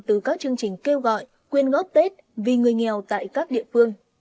từ các chương trình kêu gọi quyên góp tết vì người nghèo tại các địa phương